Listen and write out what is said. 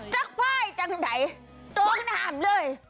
จักรพายจังไหนโต๊ะข้างหน้าเลย